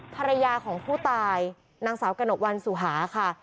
ภรรยาของผู้ตายนางสาวกระหนกวันสุหาค่ะ